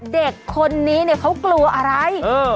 เด็กคนนี้เนี่ยเขากลัวอะไร